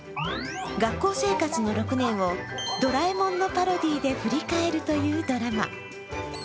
学校生活の６年をドラえもんのパロディーで振り返るというドラマ。